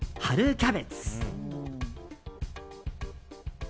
キャベツ。